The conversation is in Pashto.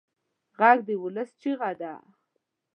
غږ د ولس چیغه ده